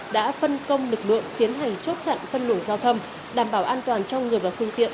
đã phân công lực lượng tiến hành chốt chặn phân luồng giao thông đảm bảo an toàn cho người và phương tiện